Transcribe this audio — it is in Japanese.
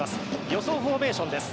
予想フォーメーションです。